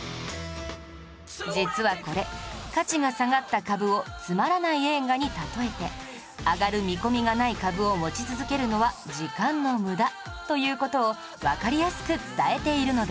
実はこれ価値が下がった株をつまらない映画に例えて上がる見込みがない株を持ち続けるのは時間の無駄という事をわかりやすく伝えているのです